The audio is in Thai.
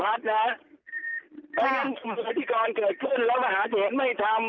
เพราะฉะนั้นปฏิกรเกิดขึ้นแล้วมหาชนไม่ทำ